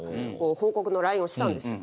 報告のＬＩＮＥをしたんですよ。